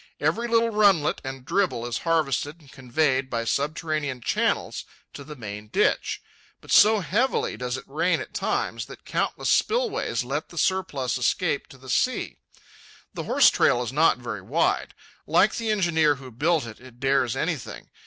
Every little runlet and dribble is harvested and conveyed by subterranean channels to the main ditch. But so heavily does it rain at times that countless spillways let the surplus escape to the sea. The horse trail is not very wide. Like the engineer who built it, it dares anything.